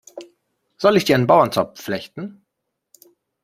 Soll ich dir einen Bauernzopf flechten?